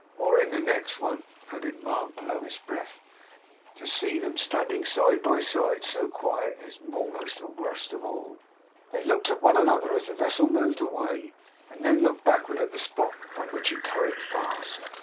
'Or in the next one,' added Mark below his breath. 'To see them standing side by side, so quiet, is a'most the worst of all!' They looked at one another as the vessel moved away, and then looked backward at the spot from which it hurried fast.